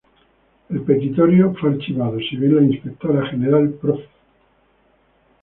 El petitorio fue archivado, si bien la Inspectora General Prof.